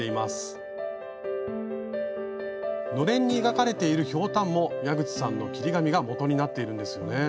のれんに描かれているひょうたんも矢口さんの切り紙がもとになっているんですよね。